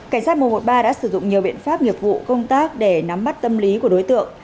cảnh sát một trăm một mươi ba đã sử dụng nhiều biện pháp nghiệp vụ công tác để nắm bắt tâm lý của đối tượng